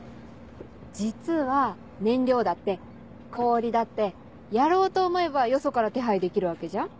実は燃料だって氷だってやろうと思えばよそから手配できるわけじゃん。